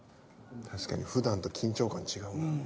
確かにふだんと緊張感違うな。